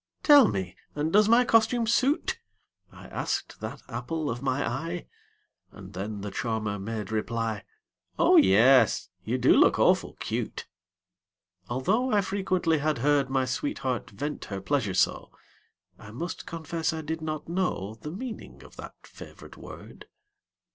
"Tell me and does my costume suit?" I asked that apple of my eye And then the charmer made reply, "Oh, yes, you do look awful cute!" Although I frequently had heard My sweetheart vent her pleasure so, I must confess I did not know The meaning of that favorite word.